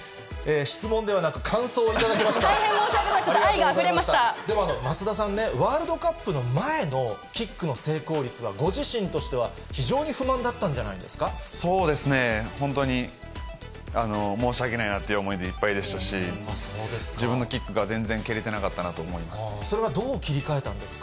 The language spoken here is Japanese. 質問ではなく、大変申し訳ない、ちょっと愛でも松田さんね、ワールドカップの前のキックの成功率はご自身としては非常に不満そうですね、本当に申し訳ないなっていう思いでいっぱいでしたし、自分のキックが全然蹴れてそれはどう切り替えたんです